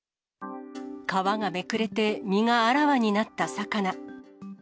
皮がめくれて身があらわになった魚。